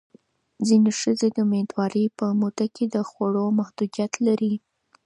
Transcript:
ځینې ښځې د مېندوارۍ په موده کې د خوړو محدودیت لري.